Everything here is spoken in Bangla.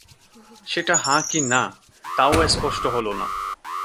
সেটা হাঁ কি না, তাও স্পষ্ট হলো না।